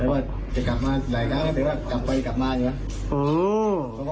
แต่ว่าจะกลับมาหลายครั้งแต่ว่ากลับไปกลับมาอยู่นะ